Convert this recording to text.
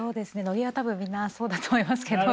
野毛は多分みんなそうだと思いますけど。